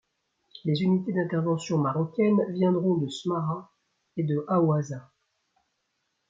Les unités d'intervention marocaines viendront de Smara et de Haouza.